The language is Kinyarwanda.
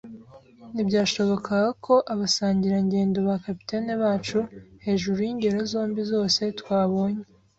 ntibyashobokaga ko abasangirangendo ba capitaine bacu, hejuru yingero zombi zose twabonye